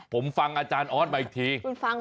ผมฟังอาจารย์ออสมาอีกที